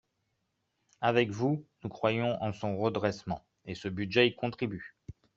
Avec vous, nous croyons en son redressement et ce budget y contribue